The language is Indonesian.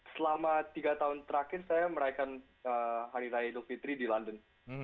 selama tiga tahun terakhir saya merayakan hari raya idul fitri di london